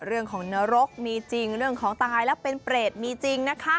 เรื่องของนรกมีจริงเรื่องของตายแล้วเป็นเปรตมีจริงนะคะ